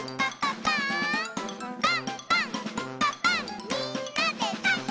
「パンパンんパパンみんなでパン！」